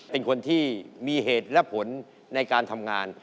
เป็นคนที่มีเหตุและผลในการทำงาน